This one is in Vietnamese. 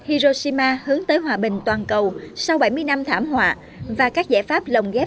hiroshima hướng tới hòa bình toàn cầu sau bảy mươi năm thảm họa và các giải pháp lồng ghép